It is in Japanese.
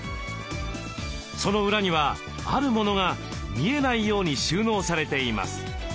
その裏にはあるモノが見えないように収納されています。